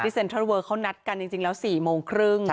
เซ็นทรัลเวอร์เขานัดกันจริงแล้ว๔โมงครึ่ง